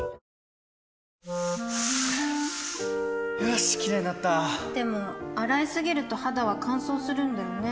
よしキレイになったでも、洗いすぎると肌は乾燥するんだよね